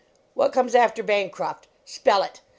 What comes after Bancroft? Spell it!